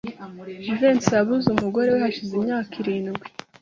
Jivency yabuze umugore we hashize imyaka irindwi.